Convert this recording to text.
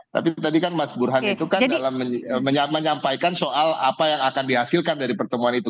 tapi tadi kan mas burhan itu kan dalam menyampaikan soal apa yang akan dihasilkan dari pertemuan itu